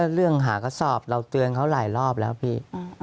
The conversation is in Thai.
เรื่องหากระสอบเราเตือนเขาหลายรอบแล้วพี่